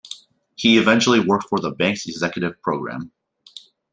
He eventually worked for the bank's executive program.